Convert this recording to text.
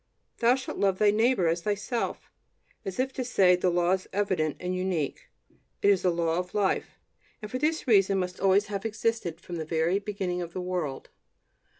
Thou shalt love thy neighbor as thyself"; as if to say: the law is evident and unique, it is the law of life, and for this reason must always have existed, from the very beginning of the world.